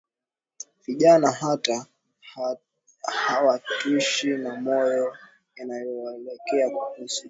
vijana hata hawatishwi na maonyo yanayotolewa kuhusu